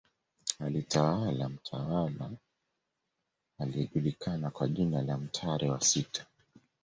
Alitawala mtawala aliyejulikana kwa jina la Ntare wa sita